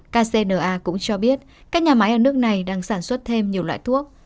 kcna cũng cho biết các nhà máy ở nước này đang sản xuất thêm nhiều loại thuốc